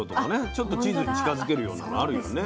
ちょっとチーズに近づけるようなのあるよね